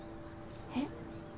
えっ？